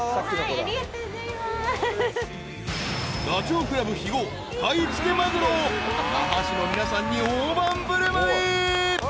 ［ダチョウ倶楽部肥後買い付けマグロを那覇市の皆さんに大盤振る舞い］